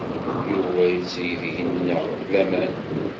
Yuba yetteg deg-neɣ laman.